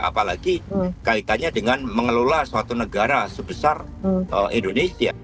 apalagi kaitannya dengan mengelola suatu negara sebesar indonesia